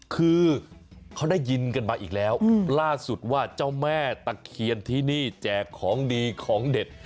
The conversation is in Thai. คือเขาได้ยินกันมาอีกแล้วล่าสุดว่าเจ้าแม่ตะเคียนที่นี่แจกของดีของเด็ด